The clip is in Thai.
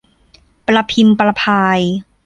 ประพิมพ์ประพาย